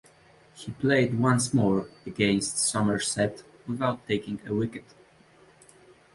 He played once more, against Somerset, without taking a wicket.